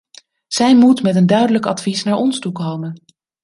Zij moet met een duidelijk advies naar ons toekomen.